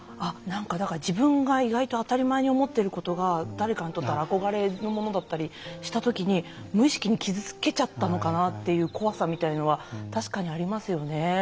自分が意外と当たり前に思ってることが誰かにとったら憧れのものだったりした時に無意識に傷つけちゃったのかなっていう怖さみたいなのは確かにありますよね。